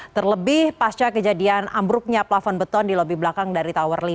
terlebih pasca kejadian ambruknya plafon beton di lobi belakang dari tower lima